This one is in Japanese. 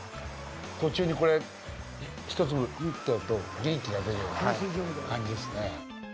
途中にこれ、一粒、んってやると元気が出るような感じですね。